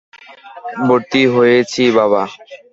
ভর্তি হয়েছি বাবা।